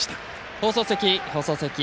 放送席、放送席。